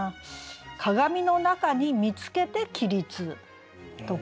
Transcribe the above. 「鏡の中に見つけて起立」とか。